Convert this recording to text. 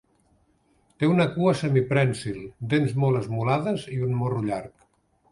Té una cua semiprènsil, dents molt esmolades i un morro llarg.